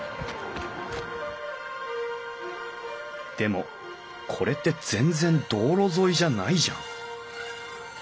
でもこれって全然道路沿いじゃないじゃん。